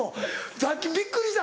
さっきびっくりした？